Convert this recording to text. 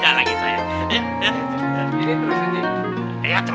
ya silahkan pak